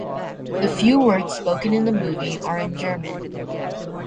The few words spoken in the movie are in German.